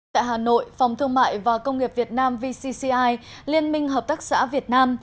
tại hà nội phòng thương mại và công nghiệp việt nam vcci liên minh hợp tác xã việt nam